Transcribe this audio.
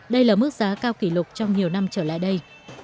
đây là mức giá cao kỷ lục trong nhiều năm trở lại đây